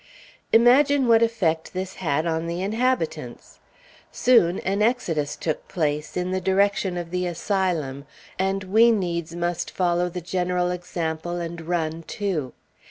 Imagine what effect this had on the inhabitants! Soon, an exodus took place, in the direction of the Asylum, and we needs must follow the general example and run, too.